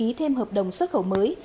hội ký thêm hợp đồng xuất khẩu mới